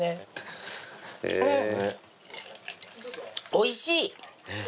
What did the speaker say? おいしい。